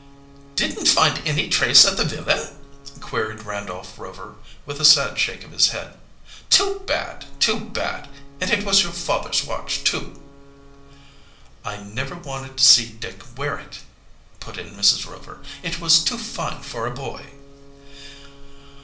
"Didn't find any trace of the villain?" queried Randolph Rover, with a sad shake of his head. "Too bad! Too bad! And it was your father's watch, too!" "I never wanted to see Dick wear it," put in Mrs. Rover. "It was too fine for a boy."